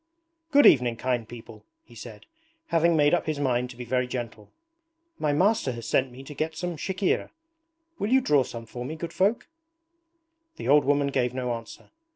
'Good evening, kind people,' he said, having made up his mind to be very gentle. 'My master has sent me to get some chikhir. Will you draw some for me, good folk?' The old woman gave no answer.